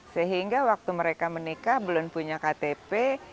empat belas lima belas sehingga waktu mereka menikah belum punya ktp